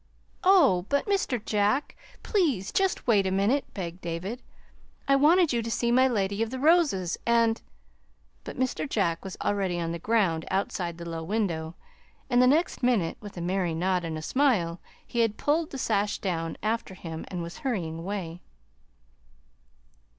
"Oh, but Mr. Jack, please just wait a minute," begged David. "I wanted you to see my Lady of the Roses, and " But Mr. Jack was already on the ground outside the low window, and the next minute, with a merry nod and smile, he had pulled the sash down after him and was hurrying away.